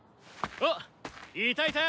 おっいたいた！